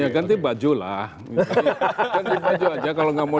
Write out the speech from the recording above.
ya ganti baju lah ganti baju aja kalau nggak mau